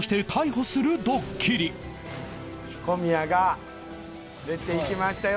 小宮が出ていきましたよ